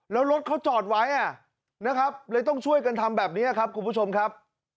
แล้วรถเขาจอดไว้นะครับเลยต้องช่วยกันทำแบบนี้ครับคุณผู้ชมครับ